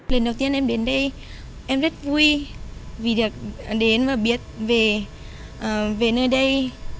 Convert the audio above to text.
lần đầu tiên em đến đây em rất vui vì được đến và biết về nơi đây